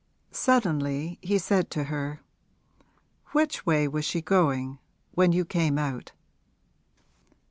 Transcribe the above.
Suddenly he said to her: 'Which way was she going, when you came out?'